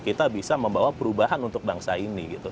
kita bisa membawa perubahan untuk bangsa ini